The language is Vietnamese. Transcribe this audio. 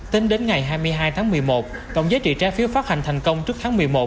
tính đến ngày hai mươi hai tháng một mươi một tổng giá trị trái phiếu phát hành thành công trước tháng một mươi một